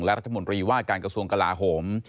และรัฐมนตรีว่าการกระทรวงกลาโหม